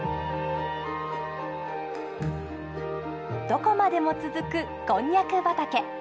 どこまでも続くこんにゃく畑。